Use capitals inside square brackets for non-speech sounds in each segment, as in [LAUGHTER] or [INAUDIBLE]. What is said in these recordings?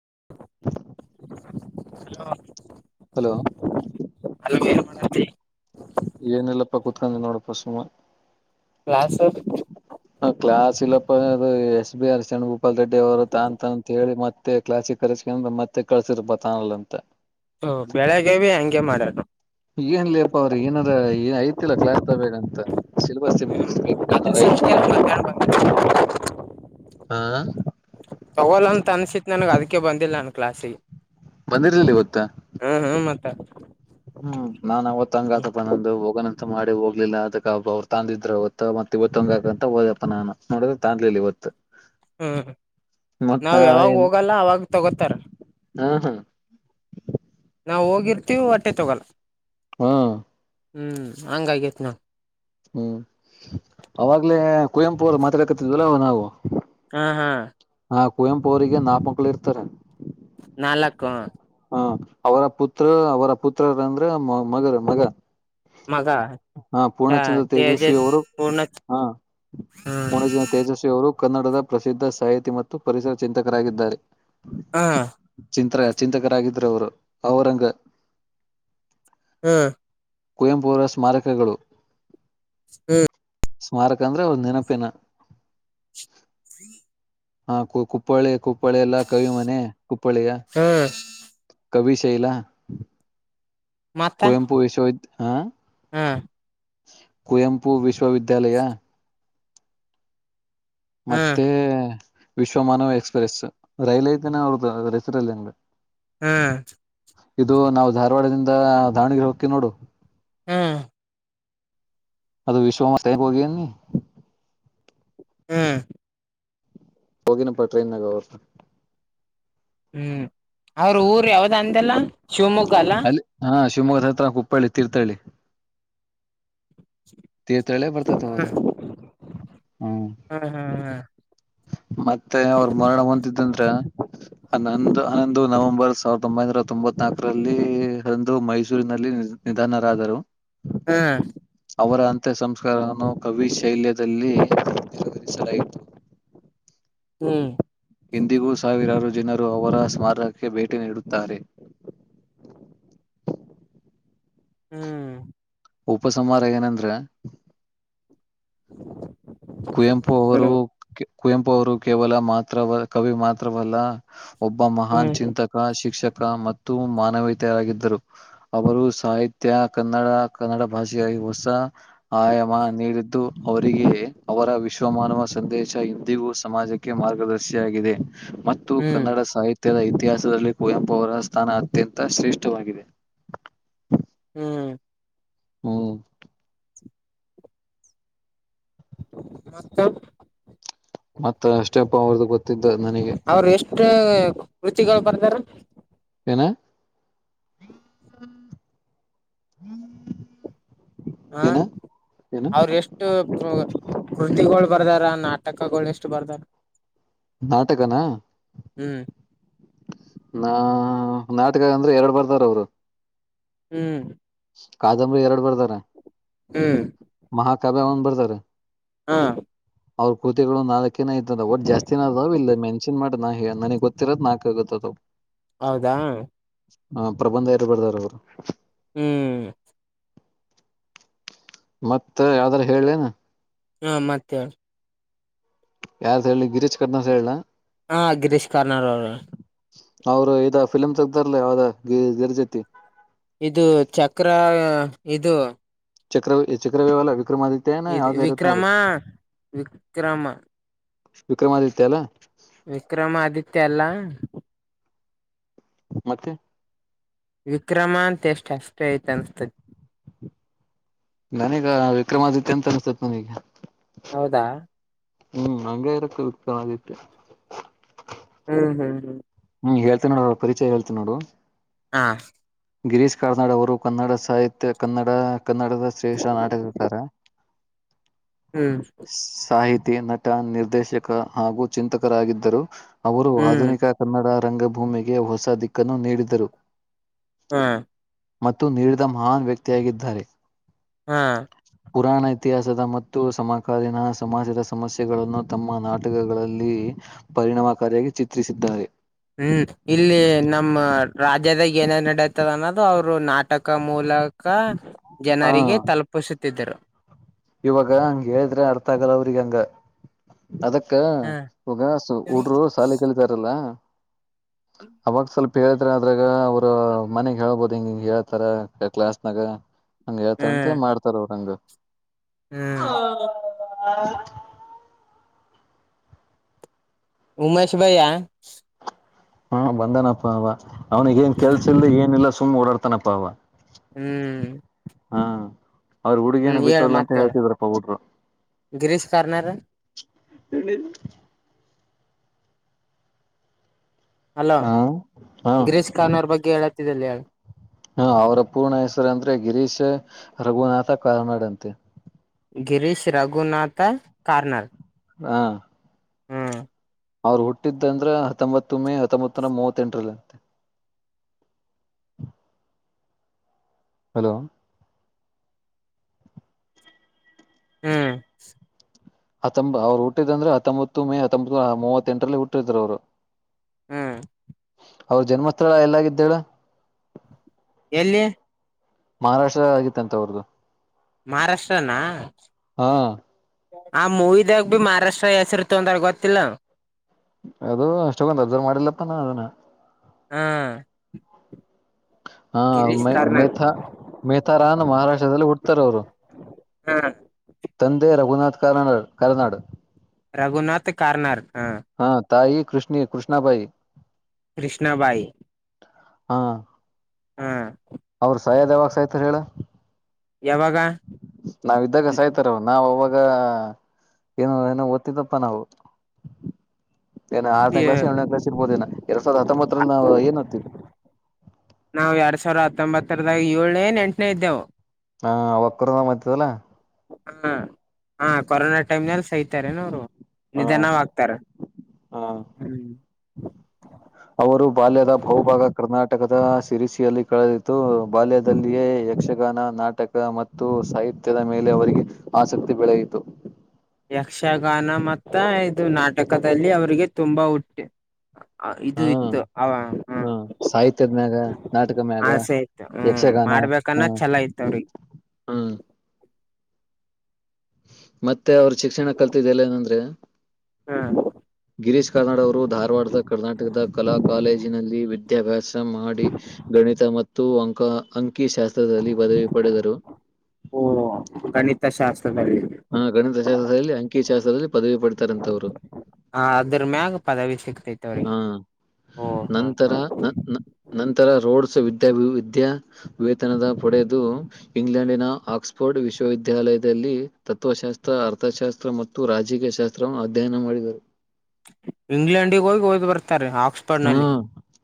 [INAUDIBLE] Hello hello hello ಎನ್ ಮಾಡಾತಿ. ಏನಿಲ್ಲಪ್ಪ ಕುೂತ್ಕೊಂಡಿನಿ ನೋಡಪ್ಪ ಸುಮ್ಮ. ಕ್ಲಾಸ್ [UNINTELLIGIBLE] ಹ ಕ್ಲಾಸ್ ಇಲ್ಲಪ್ಪ ಅದ S B R Sharangopal Reddy ಅವ್ರು ತಾ ತ ಅಂತ ಹೇಳಿ ಮತ್ತೆ ಕ್ಲಾಸಿಗಿ ಕರ್ ಕುಡಿಸ್ಕ್ಯಾಂಡ್ ಮತ್ತೆ ಕಳ್ಸಿರ್ ಬತಾನಲ್ಲ ಅಂತ. ಹ ಬೆಳಿಗ್ಗೆಬಿ ಹಂಗೆ ಮಾಡ್ಯಾರ್ ನೋಡ್. ಅಂದರ್ ಏನ್ ಐತಿಲ್ಲ ಕ್ಲಾಸ್ ತೋಬೇಕ್ ಅಂತ. ಆವ್ ಸಿಲೇಬಸ್ ಮುಗಿಸಬೇಕ ಅಂತ ಅದ್ರ ಏನರ ಸಂಜೆ ಐತಿಲ್ ಅವ್ರಿಗಿ. ಮಧ್ಯಾಹ್ನ ಬಂದ ಹಾ ತಗೋಲ್ಲ ಅಂತ ಅನ್ಸಿತ್ ನನಗ ಅದಿಕ್ಕೆ ಬಂದಿಲ್ಲ ನನ್ ಕ್ಲಾಸಿಗಿ. ಬಂದಿರ್ಲಿಲ್ಲ ಇವತ್ತ. ಹ ಹ್ಮ್ ನಾನ್ ಅವತ್ ಹಂಗತಪ್ಪ ನಂದು ಹೋಗಣಂತ ಮಾಡ್ ಅದೆ ಹೋಗ್ಲಿಲ್ಲ ಅದಕ್ಕ ಅವ್ರು ತಂದಿದ್ರ ಅವತ್ ಮತ್ ಇವತ್ತೊಂದು ಆಗಂತ ಹೊದ್ಯಪ್ಪ ನಾನ ನೋಡಿದ್ರ ತಂದ್ಲಿಲ್ಲ ಇವತ್ತ. ಹ್ಮ್ ಮತ್ ನಾವ ಯಾವಾಗ ನಾಳೆ ಹೋಗಲ್ಲ ಅವಾಗ ತಗೋತಾರ. ಹಾ ಹಾ ನಾವು ಹೋಗಿರ್ತೀವಿ ಓಟ್ಟೆ ತೊಗೊಲ್ಲ. ಹ್ಮ ಹ್ಮ್ ಹಂಗ ಆಗ್ಯತ್ ನೋಡ್. ಹ್ಮ್ ಅವಾಗ್ಲೆ ಕುವೆಂಪುರು ಮಾತಾಡ್ಕತಿದ್ವಲ್ಲ ನಾವು. ಹಾ ಹಾ ಆ ಕುವೆಂಪು ಅವರಿಗೆ ನಾಕ್ ಮಕ್ಳು ಇರ್ತಾರ. ನಾಲ್ಕ ಹ್ಮ್ ಹ ಅವರ ಪುತ್ರ ಅವರ ಪುತ್ರರರ ಅಂದ್ರ ಮ ಮಗರ ಮಗ. ಮಗ ಹಾ ಡ ಪೂರ್ಣಚಂದ್ರ ತೇಜಸ್ವಿ ತೇಜಸ್ ಅವರು ಪೂರ್ಣ ಹಾ. ಹ್ಮ್ ಪೂರ್ಣಚಂದ್ರ ತೇಜಸ್ವಿ ಅವರು. ಕನ್ನಡದ ಪ್ರಸಿದ್ಧ ಸಾಹಿತಿ ಮತ್ತು ಪರಿಸರ ಚಿಂತಕರಾಗಿದ್ದಾರೆ. ಹಾ ಚಿಂತ್ರ ಚಿಂತಕರಾಗಿದರು ಅವರು ಅವರಂಗ. ಹ್ಮ ಕುವೆಂಪು ಅವರ ಸ್ಮಾರಕಗಳು. ಹ್ಮ್ ಸ್ಮಾರಕ ಅಂದ್ರ ಅವ್ರ ನೆನಪಿನ. [INAUDIBLE] ಹಾ ಕು ಕುಪ್ಪಳಿ ಕುಪ್ಪಳಿ ಎಲ್ಲ ಕವಿ ಮನೆ ಕುಪ್ಪಳಿಯ ಹ್ಮ್ ಕವಿಶೈಲ ಮತ್ತ ಕುವೆಂಪು ವಿಶ್ವವಿ ಹಾ ಹ್ಮ್ ಕುವೆಂಪು ವಿಶ್ವವಿದ್ಯಾಲಯ ಹ್ಮ್ ಮತ್ತೆ ವಿಶ್ವ ಮಾನವ ಎಕ್ಸ್ಪ್ರೆಸ್ ರೈಲ್ ಐತ್ ಅನ ಅವ್ರ ಹೆಸರಲ್ಲಿ ಹ್ಮ್ ಇದು ನಾವು ಧಾರವಾಡದಿಂದ ದಾವಣಗೆರೆ ಹೋಕಿ ನೋಡು ಹ್ಮ್ ಅದು ವಿಶ್ವ ಹೋಗ ನೀ [UNINTELLIGIBLE] ಹ್ಮ್ ಹೋಗಿನಪ್ಪ ಟ್ರೈನ್ಾಗ ಅವ್ರ ಹ್ಮ್ ಅವ್ರ ಊರ್ ಯಾವ್ದ ಅಂದಲ್ಲ ಶಿವಮೊಗ್ಗ ಅಲ್ಲ ಶಿವಮೊಗ್ಗ ಹತ್ರ ಕುಪ್ಪಳ್ಳಿ ತೀರ್ಥಹಳ್ಳಿ ತೀರ್ಥಳ್ಳಿ ಬರ್ತತ್ ಅವ್ರ ಹ್ಮ ಹ್ಮ ಹ್ಮ ಮತ್ತೆ ಅವ್ರ ಮಳ ಹೊಂತಿದ್ದಂದ್ರ ಹ ನೊಂದು ಹನ್ನೊಂದು ನವೆಂಬರ್ ಸಾವಿರದ ಒಂಬೈನೂರ ತೊಂಬತ್ ನಾಲ್ಕರಲ್ಲಿ ಅಂದು ಮೈಸೂರಿನಲ್ಲಿ ನಿಧಾನರಾದರುೂ ಹ್ಮ ಅವರ ಅಂತ್ಯ ಸಂಸ್ಕಾರವನ್ನು ಕವಿ ಶೈಲ್ಯದಲ್ಲಿ ನಿೆರವರಿಸಲಾಯಿತು ಹ್ಮ್ ಇಂದಿಗೂ ಸಾವಿರಾರು ಜನರು ಅವರ ಸ್ಮಾರಕಕ್ಕೆ ಭೇಟಿ ನೀಡುತ್ತಾರೆ [UNINTELLIGIBLE] ಹ್ಮ್ ಉಪಸಂಹಾರ ಏನಂದ್ರ ಹ್ಮ [UNINTELLIGIBLE] ಕುವೆಂಪು ಅವರು ಕುವೆಂಪು ಅವರು ಕೇವಲ ಮಾತ್ರವ ಕವಿ ಮಾತ್ರವಲ್ಲ ಒಬ್ಬ ಮಹಾನ್ ಹ್ಮ್ ಚಿಂತಕ ಶಿಕ್ಷಕ ಮತ್ತು ಮಾನವೀತರಾಗಿದ್ದರು ಅವರು ಸಾಹಿತ್ಯ ಕನ್ನಡ ಕನ್ನಡ ಭಾಷೆಯಾಗಿ ಹೊಸ ಆಯಾಮ ನೀಡಿದ್ದು ಅವರಿಗೆ ಅವರ ವಿಶ್ವಮಾನವ ಸಂದೇಶ ಇಂದಿಗೂ ಸಮಾಜಕ್ಕೆ ಮಾರ್ಗದರ್ಶಿಯಾಗಿದೆ ಮತ್ತು ಹ್ಮ್ ಹ್ಮ್ ಕನ್ನಡ ಸಾಹಿತ್ಯದ ಇತಿಹಾಸ ದಲ್ಲಿ ಕುವೆಂಪು ಅವರ ಸ್ಥಾನ ಅತ್ಯಂತ ಶ್ರೇಷ್ಠವಾಗಿದೆ ಹ್ಮ್ ಹ್ಮ ಮತ ಮತ್ತ ಅಷ್ಟೇಪ್ಪ ಅವ್ರದು ಗೊತ್ತಿದ್ದು ನನಗೆ ಅಷ್ಟ ಕೃತಿಗಳು ಬರ್ದಾರ ಏನ್ [UNINTELLIGIBLE] ಹ ಅವ್ರ ಎಷ್ಟು ಕೃತಿಗಳು ಬರ್ದಾರ ನ ತಕ್ಕಗಳ ಎಷ್ಟು ಬರ್ದಾರ ನಾಟಕನಾ ಹ್ಮ್ ನಾ ನಾಟಕ ಅಂದ್ರೆ ಎರಡ್ ಬರ್ದಾರ ಅವ್ರು ಹ್ಮ್ ಕಾದಂಬರಿ ಎರಡು ಬರ್ದಾರ ಹ್ಮ್ ಮಹಾಕಾವ್ಯ ಒನ್ ಬರ್ದಾರೆ ಹಾ ಅವ್ರ ಕೃತಿಗಳು ನಾಲ್ಕೇನ ಐತದ ಒಟ್ ಜಾಸ್ತಿಿನ ಅದ ಇಲ್ಲ ಮೆನ್ಷನ್ ಮಾಡ ನಾ ಹೆ ನನಗ್ ಗೊತ್ತಿರೋದ್ ನಾಕ ಗೊತ್ತಾತದ. ಹೌದಾ ಹ ಪ್ರಬಂಧ ಯಾರ ಬರ್ದಾರ ಅವರು. ಹ್ಮ್ ಮತ್ತ ಯಾವ್ದಾರ ಹೇಳ್ಳೇನ. ಹಾ ಮತ್ತೇಳು. ಯಾರ್ದ ಹೇಳಿ ಗಿರೀಶ್ ಕರ್ನದ್ ಹೇಳಲಾ. ಹ ಗಿರೀಶ್ ಕಾರ್ನಾಡ್ ಅವರು. ಅವರು ಇದ ಫಿಲಿಂ ತೆಗ್ದವ್ರಲ ಯಾವುದೇ ಗಿ ಇದರ್ಜತಿ. ಇದು ಚಕ್ರ ಇದು. ಚಕ್ರವ್ ಚಕ್ರವ್ಯಲ್ಲ ವಿಕ್ರಮಾದಿತ್ಯಾನ ಇದು ಯಾವ್ದ ಇರುತ್ತ ನೋಡು. ವಿಕ್ರಮ ವಿಕ್ರಮ ವಿಕ್ರಮಾದಿತ್ಯ ಅಲ್ಲ ವಿಕ್ರಮಾದಿತ್ಯ ಅಲ್ಲಾ ಮತ್ತೆ ವಿಕ್ರಮಾ ಅಂತೆಸ್ಟ್ ಅಷ್ಟೆ ಐತ ಅನ್ಸತೈತ ನನೀಗ ವಿಕ್ರಮಾದಿತ್ಯ ಅಂತ ಅನ್ಸತತ್ ನನಗೆ. ಹೌದಾ ಹ್ಮ್ ಅಂಗೆ ಇರಕ್ಕ ವಿಕ್ರಮಾದಿತ್ಯ. ಹ್ಮ್ ಹ್ಮ್ ಹ್ಮ್ ಹ್ಮ್ ಹೇಳ್ತೀನ್ ನೋಡು ಅವ ಪರಿಚಯ ಹೇಳ್ತಿನ್ ನೋಡು. ಹಾ ಗಿರೀಶ್ ಕಾರ್ನಾಡ್ ಅವರು ಕನ್ನಡ ಸಾಹಿತ್ಯ ಕನ್ನಡ ಕನ್ನಡದ ಶ್ರೇಷ್ಠ ನಾಟಕಿರುತಾರೆ. ಹ್ಮ್ ಸಾಹಿತಿ ನಟ ನಿರ್ದೇಶಕ ಹಾಗೂ ಚಿಂತಕರಾಗಿದ್ದರು. ಅವರು ಹ್ಮ್ ಆಧುನಿಕ ಕನ್ನಡ ರಂಗಭೂಮಿಗೆ ಹೊಸ ದಿಕ್ಕನ್ನು ನೀಡಿದರು. ಹಾ ಮತ್ತು ನೀಡಿದ ಮಹಾನ್ ವ್ಯಕ್ತಿಯಾಗಿದ್ದಾರೆ. ಹಾ ಪುರಾಣ ಇತಿಹಾಸದ ಮತ್ತು ಸಮಕಾಲೀನ ಸಮಾಜದ ಸಮಸ್ಯೆಗಳನ್ನು ತಮ್ಮ ನಾಟಕಗಳಲ್ಲಿ ಪರಿಣಾಮಕಾರಿಯಾಗಿ ಚಿತ್ರಿಸಿದ್ದಾರೆ. ಹ್ಮ್ ಇಲ್ಲಿ ನಮ್ಮ ರಾಜ್ಯದಾಗ ಏನ್ ಏನ್ ನಡೆತ್ತದ ಅನ್ನೋದು ಅವ್ರು ನಾ ನಾಟಕ ಮೂಲಕ ಹ ಜನರಿಗೆ ತಲುಪಿಸುತ್ತಿದ್ದರು. ಇವಾಗ ಹಂಗ ಹೇಳಿದ್ರೆ ಅರ್ಥ ಆಗಲ್ಲ ಅವ್ರಿಗೆ ಹಂಗ. ಅದಕ್ಕ ಹ್ಮ ಇವಗ ಹುಡ್ರು ಶಾಲೆ ಕಲಿತಾರಲ್ಲ [INAUDIBLE] ಅವಾಗ ಸ್ವಲ್ಪ ಹೇಳಿದ್ರ ಅದ್ರಾಗ ಅವ್ರ ಮನೆಗ್ ಹೇಳ್ಬೋದು ಹಿಂಗ ಹಿಂಗ್ ಹೇಳ್ತಾರ ಕ್ಲಾಸ್ನಾಗ. ಹಂಗ ಹೇಳ್ತಾರ ಅಂತ ಮಾಡ್ತಾರ ಅವರು ಹಂಗ. ಹ್ಮ ಹಾ ಆ ಉಮೇಶ್ ಭೈಯ ಹ್ಮ ಬಂದನಪ್ಪ ಅವ ಅವನಿಗೇನ್ ಹ್ಮ್ ಕೆಲ್ಸ ಇಲ್ ಏನಿಲ್ಲ ಸುಮ್ಮ್ ಓಡಾಡ್ತಾನಪ್ಪ ಅವ. ಹ್ಮ್ ಹಾ ಅವ್ರ ಹುಡುಗೇನ ಹ್ಮ್ ಹೇಳ ಬಿಟ್ಟೋದ್ಲ ಅಂತ ಮತ್ತೇಳ ಹೇಳ್ತಿದ್ರಪ್ಪ ಹುಡ್ರು. ಗಿರೀಶ್ ಕಾರ್ನಾರ್ ಎ ಅಲೋ ಹ ಹ ಗಿರೀಶ್ ಕಾರ್ನಾಡ್ ಬಗ್ಗೆ ಹೇಳತ್ತಿದೆಲ್ಲೇ. ಹ ಅವ್ರ ಪೂರ್ಣ ಹೆಸರು ಅಂದ್ರೆ ಗಿರೀಶ ರಘುನಾಥ ಕಾರ್ನಾಡ್ ಅಂತೆ. ಗಿರೀಶ್ ರಘುನಾಥ ಕಾರ್ನಾಲ್ ಹಾ ಹ್ಮ್ ಅವ್ರು ಹುಟ್ಟಿದ್ದಂದ್ರೆ ಹತ್ತೊಂಬತ್ತು ಮೇ ಹತ್ತೊಂಬತ್ತು ನೂರ ಮೂವತ್ತೆಂಟರಲ್ಲಿಂತೆ. ಹಲೋ ಹ್ಮ್ ಹತ್ತೊಂಬ ಅವರು ಹುಟ್ಟಿದಂದ್ರೆ ಹತ್ತೊಂಬತ್ತು ಮೇ ಹತ್ತೊಂಬತ್ತು ಮೂವತ್ತೆಂಟರಲ್ಲಿ ಹುಟ್ಟಿದ್ರು ಅವರು ಹ್ಮ್ ಅವ್ರ ಜನ್ಮಸ್ಥಳ ಎಲ್ಲಾಗಿದ್ದಾಳ ಎಲ್ಲಿ ಮಹಾರಾಷ್ಟ್ರದ ಆಗಿತ್ತು ಅಂತ ಅವ್ರ್ದು ಮಹಾರಾಷ್ಟ್ರನಾ ಆ ಮೂವಿದಾಗ ಭ ಮಹಾರಾಷ್ಟ್ರ ಹೆಸರು ತೊಂದ್ರ ಗೊತ್ತಿಲ್ಲ ಅದು ಅಷ್ಟೊಂದು ಅಬ್ಸರ್ವ್ ಮಾಡಿಲ್ಲತ್ತನ ಅದನ್ನ ಹಾ ಹಾ ಗಿರೀಶ್ ಮ ಕಾರ್ನಾಡ್ ಮೇಥ ಮೇಥಾರಾನ ಮಹಾರಾಷ್ಟ್ರದಲ್ಲಿ ಹುಡ್ತಾರ ಅವರು ಹ್ಮ ಕರ್ನಾಡ ಕರನಾಡು ರಘುನಾಥ್ ಕಾರ್ನಾರ್ ಹ ಹಾ ತಾಯಿ ಕೃಷ್ಣಿ ಕೃಷ್ಣಾಬಾಯಿ ಕೃಷ್ಣಾಬಾಯಿ ಹಾ ಹಾ ಅವ್ರ ಸಾಯದ್ ಯಾವಾಗ ಸಹತ್ ಹೇಳ ಯಾವಾಗ ನಾವ ಇದ್ದಾಗ ಸಾಯ್ತಾರ ನಾವ್ ಅವಾಗ ಈಗ ಏನು ಏನುೋ ಓದ್ತಿದಪ್ಪ ನಾವು ಏನ ಆರನೇ ಕ್ಲಾಸ್ ಏಳನೇ ಕ್ಲಾಸ್ ಇರ್ಬೋದೇನ ಎರಡ್ ಸಾವಿರದ ಹತ್ತೊಂಬತ್ತರಲ್ಲಿ ನಾವವು ಏನ್ ಹತೀವಿ ನಾವು ಎರಡ್ ಸಾವಿರದ ಹತ್ತೊಂಬತ್ತರದಾಗ ಏಳನೇ ನಂಟನೇ ಇದ್ದೆವು ಹಾ ವಕ್ಕ್ರ ಮ್ತದಲ್ಲ ಹ ಹಾ ಕೊರೋನಾ ಟೈಮ್ ನಲ್ಲಿ ಸಹತಾರೆನ ಅವರು ಹಾ ನಿಧಾನವಾಗ್ತಾರ ಹಾ ಹ್ಮ ಅವರು ಬಾಲ್ಯದ ಬಹಭಾಗ ಕರ್ನಾಟಕ ನಾಟಕದ ಸಿರಿಸಿಯಲ್ಲಿ ಕಳೆದಿತು ಬಾಲ್ಯದಲ್ಲಿಯೇ ಯಕ್ಷಗಾನ ನಾಟಕ ಮತ್ತು ಸಹಿ ನಿತ್ಯದ ಮೇಲೆ ಅವರಿಗೆ ಆಸಕ್ತಿ ಬೆಳೆಯಿತು ಯಕ್ಷಗಾನ ಮತ್ತ ಇದು ನಾಟಕದಲ್ಲಿ ಅವ್ರಿಗೆ ತುಂಬಾ ಹುಟ್ಟೆ ಇದು ಹಾ ಇತ್ತು ಅವ ಹ್ಮ ಹಾ ಸಾಹಿತ್ಯದ ಮ್ಯಾಗ, ನಾಟಕ ಮ್ಯಾಗ, ಆಸೆ ಇತು ಹ್ಮ್ ಯಕ್ಷಗಾನ ಹಾ ಮಾಡ್ಬೇಕನ್ನ್ ಚಲ ಇತ ಅವ್ರಿಗೆ ಹ್ಮ್ ಮತ್ತೆ ಅವರು ಶಿಕ್ಷಣ ಕಲ್ತಿದ್ದ ಎಲ್ಲ ನಂದ್ರೆ ಹ್ಮ್ ಗಿರೀಶ್ ಕಾರ್ನಾಡ್ ಅವರು ಧಾರವಾಡದ ಕರ್ನಾಟಕದ ಕಲಾ ಕಾಲೇಜಿನಲ್ಲಿ ವಿದ್ಯಾಭ್ಯಾಸ ಮಾಡಿ ಗಣಿತ ಮತ್ತು ಅಂಕ ಅಂ ವಕಿ ಶಾಸ್ತ್ರದಲ್ಲಿ ಪದವಿ ಪಡೆದರು ಓ ಗಣಿತಶಾಸ್ತ್ರದಲ್ಲಿ ಹಾ ಗಣಿತ ಶಾಸ್ತ್ರದಲ್ಲಿ ಅಂಕಿಶಾಸ್ತ್ರದಲ್ಲಿ ಪದವಿ ಪಡತಾರಂತವರು ಹ ಅದ್ರ ಮ್ಯಾಗ ಪದವಿ ಸಿಗ ಹಾ ನಂತರ ಹಾ ನ ನಂತರ ರೋಡ್ಸ್ ವಿದ್ಯ ಿದ ವಿದ್ಯಾ ವೇತನದ ಪಡೆದು ಇಂಗ್ಲೆಂಡಿನ ಆಕ್ಸ್ಫೋರ್ಡ್ ವಿಶ್ವವಿದ್ಯಾಲಯದಲ್ಲಿ ತತ್ವಶಾಸ್ತ್ರ ಅರ್ಥಶಾಸ್ತ್ರ ಮತ್ತು ರಾಜಕೀಯ ಶಾಸ್ತ್ರವನ್ನು ಅಧ್ಯಯನ ಮಾಡಿದರು ಇಂಗ್ಲಂಡಿಗೆಗಗ ಬರ್ ಹ್ಮ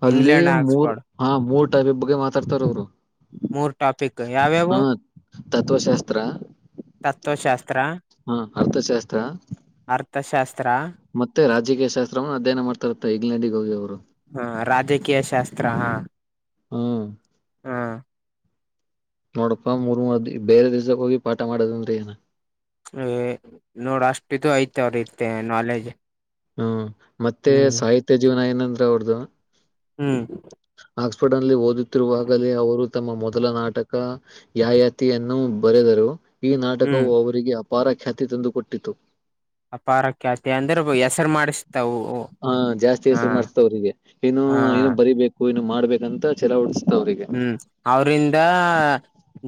ಅಲ್ಲಿ ಮೂರ್ ಆಕ್ಸ್ಫರ್ಡ್ ಹಾ ಮೂರ್ ಟೈಪ ಬಗ್ಗೆ ಮಾತಾಡ್ತಾರ ಅವರು ಮೂರ್ ಟಾಪಿಕ್ ಹಾ ಯಾವ್ಯಾವು ತತ್ತ್ವಶಾಸ್ತ್ರ ತತ್ವಶಾಸ್ತ್ರ ಹಾ ಅರ್ಥಶಾಸ್ತ್ರ ಅರ್ಥಶಾಸ್ತ್ರ ಮತ್ತೆ ರಾಜಕೀಯ ಶಾಸ್ತ್ರ ಅಧ್ಯಯನ ಮಾಡ್ತಾರತ್ತ ಇಂಗ್ಲೆಂಡಿಗೆ ಹೋಗಿ ಅವ್ರು ಹಾ ರಾಜಕೀಯ ಶಾಸ್ತ್ರ ಹಾ ಹ್ಮ್ ಹಾ ನೋಡಪ್ಪಾ ಮೂರ್ ಮೂರ್ ದ ಬೇರೆ ದಿವ್ಸಕ್ಕೆ ಹೋಗಿ ಪಾಠ ಮಾಡದನ್್ರರಿ ಏನ ಛೆ ನೋಡ ಅಷ್ಟು ಇದು ಐತೆ ಅವ್ರತೆ ನಾಲೆಜ್ ಹ್ಮ ಮತ್ತೆ ಹ್ಮ್ ಸಾಹಿತ್ಯ ಜೀವನ ಏನಂದ್ರ ಅವ್ರದು. ಹ್ಮ್ ಆಕ್ಸ್ಫರ್ಡ್ನನಲ್ಲಿ ಓದುತ್ತಿರುವಾಗಲೇ ಅವರು ತಮ್ಮ ಮೊದಲ ನಾಟಕ ಯಾಯಾತಿಯನ್ನು ಬರೆದರು ಈ ಹ್ಮ್ ನಾಟಕವು ಅವರಿಗೆ ಅಪಾರ ಖ್ಯಾತಿ ತಂದುಕೊಟ್ಟಿತ್ತು. ಅಪಾರ ಖ್ಯಾತಿ ಅಂದ್ರಗೂ ಹೆಸರು ಮಾಡಸು ಹಾ ಜಾಸ್ತಿ ಹೆಸ್ರ ಮಾಡ್ಸ್ತಾವ್ರಿಗೆ ಇನ್ನು ಹಾ ಇನು ಬರಿಬೇಕು ಇನ್ನು ಮಾಡ್ಬೇಕಂತ ಚೆರಾ ಓಡಸ್ತ ಹ್ಮ್ ಅವರಿಂದ..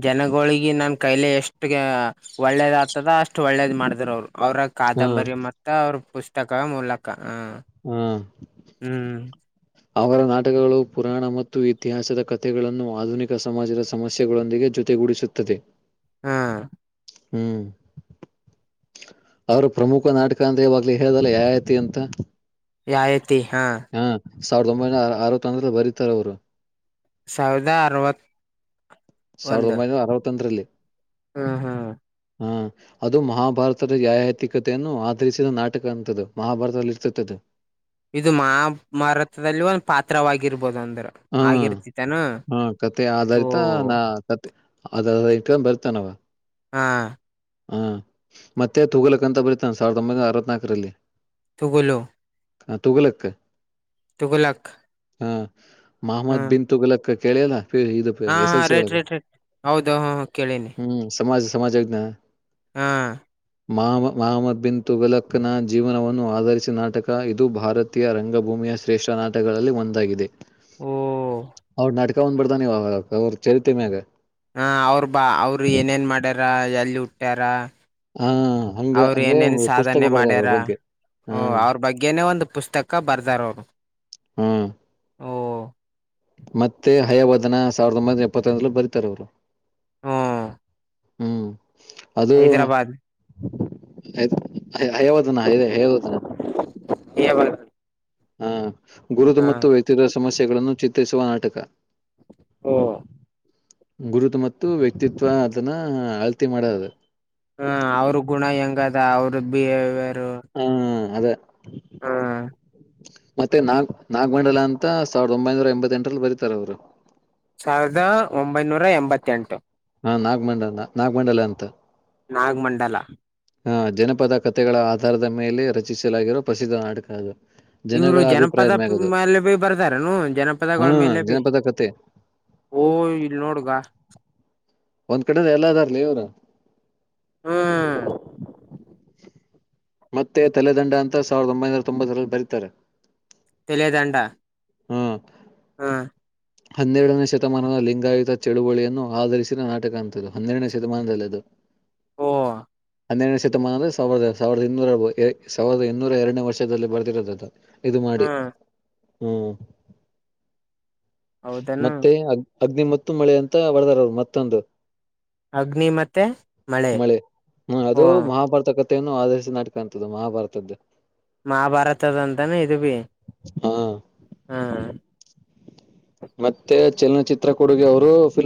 ಜನಗೂಳಿಗೆ ನನ್ನ ಕೈಲೆ ಎಷ್ಟುಗೆ ಒಳ್ಳೇದ್ ಆಗ್ತದ ಅಷ್ಟು ಒಳ್ಳೇದ್ ಮಾಡಿದ್ರ ಅವ್ರು. ಅವರ ಆ, ಕಾದಂಬರಿ ಮತ್ತ ಅವ್ರ ಪುಸ್ತಕ ಮೂಲಕ ಹ ಹ್ಮ ಅವರ ನಾಟಕಗಳು ಪುರಾಣ ಮತ್ತು ಇತಿಹಾಸದ ಕಥೆಗಳನ್ನು ಆಧುನಿಕ ಸಮಾಜದ ಸಮಸ್ಯೆಗಳೊಂದಿಗೆ ಜೊ ತೆ ಗುಡಿಸುತ್ತದೆ ಹ್ಮ ಹ್ಮ್ ಅವ್ರ ಪ್ರಮುಖ ನಾಟಕ ಅಂದ್ರೆ ಇವಾಗ್ಲಿ ಹೇಳ್ದಲ್ಲ ಯಯಾತಿ ಅಂತ ಯಾಯತಿ ಹ ಹಾ, ಸಾವಿರದ ಒಂಬೈನೂರ ಅರವತ್ತೊಂದ್ರರಲ್ಲಿ ಬರೀತಾರೆ ಅವರು. ಸಾವಿರದ ಅರವತ್ತ ಸಾವಿರದ ಒಂಬೈನೂರ ಅರವತ್ತೊಂದರಲ್ಲಿ ಹ್ಮ್ ಹ್ಮ್ ಹ ಅದು ಮಹಾಭಾರತದ ಯಾಯಾತಿ ಕತೆಯನ್ನು ಆಧರಿಸಿದ ನಾಟಕ ಅಂತದ್ದು ಮಹಾಭಾರತದಲ್ಲಿ ಈರತತಿ ಇದು ಮಹಾಮಾರತದಲ್ಲೂ ಒಂದು ಪಾತ್ರವಾಗಿರ್ಬೋದು ಅಂ.. ಹ್ಮ ಹ್ಮ್ ಕತೆ ಓ ಆಧಾರಿತ ನಾ ಕತೆ ಅದ... ಕ ಬರ್ತಾನವ. ಹಾ.. ಹಾ ಮತ್ತೆ ತೂಗಲಕ್ಕಂತ ಬರಿತಾನ ಸಾವಿರದ ಒಂಬೈನೂರ ಅರವತ್ನಾಕರಲ್ಲಿ ತೂಬಲೋ ಹ ತೂಗಲಕ್ಕ.. ತೂಗಲಕ್ಕ... ಹಾ ಮಹಮ್ಮದ್ ಬಿನ್ ತುಗಲಕ್ಕ ಕೇಳಿಯಲ್ಲ! ಪೆ ಇದು ಪ ಹಾ ಹಾ ಎಸಲಸಿ ರೈಟ್ ಒಳಗ ರೈಟ್ ರೈಟ್ ಹೌದು ಹ ಕೇಳೀನಿ ಹ್ಮ್ ಸಮಾಜ ಸಮಾಜ ವಿಜ್ಞಾನ ಹಾ.. ಮಮ ಮಹಮ್ಮದ್ ಬಿನ್ ತುಗಲಕ್ಕನ ಜೀವನವನ್ನು ಆದರಿಸಿದ ನಾಟಕ ಇದು ಭಾರತೀಯ ರಂಗಭೂಮಿ... ಮೇಯ ಶ್ರೇಷ್ಠ ನಾಟಗಳಲ್ಲಿ ಒಂದಾಗಿದೆ. ಓ ಅವ್ರ ನಾಟಕ ಒಂದ ಬರ್ದಾನವ್ ಅವ್ರ ಚರಿತೇ ಮ್ಯಾಗ ಹ ಅವ್ರ ಬಾ ಅವ್ರು ಏನೇನ್ ಮಾಡ್ಯಾರ ಎಲ್ಲಿ ಹುಟ್ಟ್ಯಾರ ಹಾ ಹಂಗ ಅವ್ರು ಏನೇನ್ ಹಂಗ ಪುಸ್ತಕ ಸಾಧನೆ ಬರ್ದಾರ ಅವ್ರ ಮಾಡ್ಯಾರ ಬಗ್ಗೆ... ಹಾ ಓ ಅವ್ರ ಬಗ್ಗೆನೇ ಒಂದು ಪುಸ್ತಕ ಬರ್ದಾರ ಅವರು ಹ್ಮ ಓ ಮತ್ತೆ ಹಯವದನ ಸಾವಿರದ ಒಂಬೈನೂರ ಎಪ್ಪತ್ತೊಂದರಲ್ಲಿ ಬರೀತಾರ ಅವರು.. ಹ್ಮ್ ಹ್ಮ್ ಅದು........ ಹೈದ್ರಾಬಾದ್ ! ಹಹಯ ಹಯವದನ ಹೈವೆ ಹಯವದನ., ಹ ಹ ಗುರುದು ಮತ್ತು ವ್ಯಕ್ತಿಗರ ಸಮಸ್ಯೆಗಳನ್ನು ಚಿತ್ರಿಸುವ ನಾಟಕ ಓ.... ಗುರುತು ಮತ್ತು ವ್ಯಕ್ತಿತ್ವ ಅದನ.... ಹ ಅವ್ರ ಗುಣ ಹೆಂಗ ಅದ ಅವ್ರ ಬಿಹೇವಿಯರ್..... ಅದ.. ಹ್ಮ ಮತ್ತೆ ನಾಗ್ ನಾಗಮಂಡಲ ಅಂತ ಸಾವಿರದ ಒಂಬೈನೂರ ಎಂಬತ್ಎಂಟರಲ್ಲಿ ಬರೀತಾರೆ ಅವರು.. ಸಾವಿರದ ಒಂಬೈನೂರ ಎಂಬತ್ತೆಂಟು. ಹಾ ನಾಗ ಮಂಡಲ ನಾಗಮಂಡಲ ಅಂತ. ನಾಗ ಮಂಡಲ. ಹ ಜನಪದ ಕಥೆಗಳ ಆಧಾರದ ಮೇಲೆ ರಚಿಸಲಾಗಿರುವ ಪ್ರಸಿದ್ಧ ನಾಟಕ ಅದು. ಇವ್ರು ಜನಗಳ ಜನಪದ ಅಭಿಪ್ರಾಯದ ಮ್ಯಾಗದು ಮೇಲೆ ಭೀ ಬರ್ತಾರನು ಹಾ ಜನಪದಗಳ ಮೇಲೆ ಭೀ. ಜನಪದ ಕತೆ ಓ ಇಲ್ ನೋಡ್ಗ. ಒಂದ್ ಕಡೆನ ಎಲ್ಲದಾರ್ಲಿ ಇವ್ರ. ಹ್ಮ್ [UNINTELLIGIBLE] ಮತ್ತೆ ತಲೆದಂಡ ಅಂತ ಸಾವಿರದ ಒಂಬೈನೂರ ತೊಂಬತ್ತರಲ್ಲಿ ಬರೀತಾರೆ. ತಿಲದಂಡ. ಹ್ಮ್. ಹಾ. ಹನ್ನೆರಡನೇ ಶತಮಾನದ ಲಿಂಗಾಯತ ಚಳುವಳಿಯನ್ನು ಆಧರಿಸಿದ ನಾಟಕ ಅಂಥದ್ದು ಹನ್ನೆರಡನೇ ಶತಮಾನದಲ್ಲದು. ಓ. ಹನ್ನೆರಡನ ಶತಮಾನ ಅಂದರೆ ಸಾವಿರದ ಸಾವಿರದ ಇನ್ನೂರ ಸಾವಿರದ ಇನ್ನೂರ ಎರಡನ ವರ್ಷದಲ್ಲಿ ಬರ್ತಿರೋದ. ಇದು ಮಾಡಿ ಹ್ಮ್ ಹ್ಮ್ ಹೌದನು ಮತ್ತೆ. ಅಗ್ನಿ ಮ ಮಳೆ ಅಂತ ಹೊರ್ದಾರ ಅವರು ಮತ್ತೊಂದು. ಅಗ್ನಿಮತ್ತೆ ಮಳೆ. ಹ್ಮ್ ಓ ಅದು ಮಹಾಭಾರತ ಕಥೆಯನ್ನು ಆಧರಿಸಿದ ನಾಟಕ ಅಂತದ್ದು ಮಹಾಭಾರತದ್ದ. ಮಹಾಭಾರತದಂತಾನ ಇದು ಬಿ ಹಾ ಹಾ. ಮತ್ತೆ ಚಲನಚಿತ್ರ ಕೊಡುಗೆ ಅವರು ಫಿಲ್ಮ್.